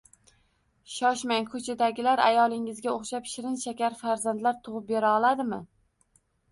Shoshmang, ko‘chadagilar ayolingizga o‘xshab shirin-shakar farzandlar tug‘ib bera oladimi